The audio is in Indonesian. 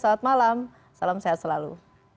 selamat malam salam sehat selalu